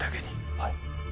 はい。